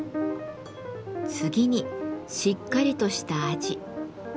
次にしっかりとした味。